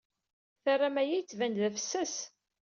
Terram aya yettban-d d afessas.